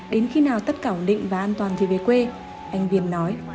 đến khi nào tất cả ổn định và an toàn thì về quê anh việt nói